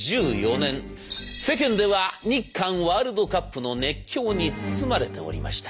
世間では日韓ワールドカップの熱狂に包まれておりました。